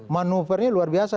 manuvernya luar biasa